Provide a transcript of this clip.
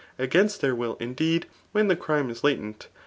Agabst their will, indeed, when [the crime] h lateiti.